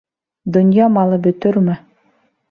Донъя малы бөтөрмө?